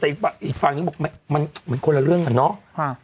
แต่อีกฝั่งนึงบอกมันคนละเรื่องกันเนาะ